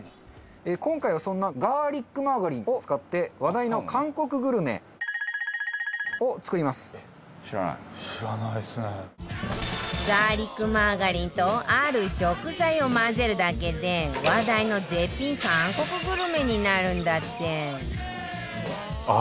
今回はそんなガーリックマーガリンを使ってガーリックマーガリンとある食材を混ぜるだけで話題の絶品韓国グルメになるんだって